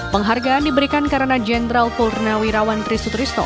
penghargaan diberikan karena jenderal polri nawirawan trisut trisno